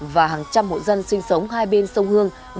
và hàng trăm hộ dân sinh sống hai bên sông hương